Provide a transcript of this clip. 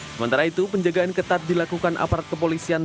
sementara itu penjagaan ketat dilakukan aparat kepolisian